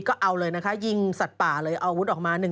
ก็เอาเลยนะคะยิงสัตว์ป่าเลยอาวุธออกมา